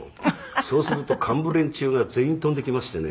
「そうすると幹部連中が全員飛んできましてね」